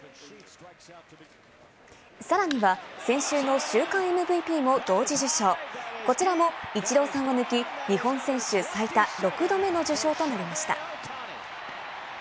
さらには先週の週間ＭＶＰも同時受賞、こちらもイチローさんを抜き、日本選手最多６度目の受賞となりました。